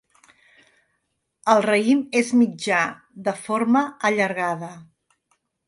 El raïm és mitjà, de forma allargada.